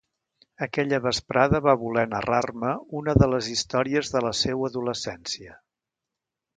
Aquella vesprada va voler narrar-me una de les històries de la seua adolescència.